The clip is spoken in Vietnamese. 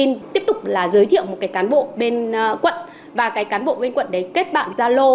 mình tiếp tục là giới thiệu một cái cán bộ bên quận và cái cán bộ bên quận đấy kết bạn gia lô